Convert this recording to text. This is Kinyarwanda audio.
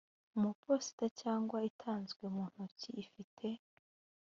mu iposita cyangwa itanzwe mu ntoki ifite